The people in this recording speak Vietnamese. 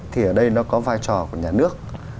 thì ở đây nó có vai trò của nhà nước